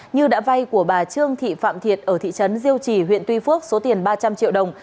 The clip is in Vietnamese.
như đã vay của bà trương thị phạm thiệt ở thị trấn diêu trì huyện tuy phước số tiền ba trăm linh triệu đồng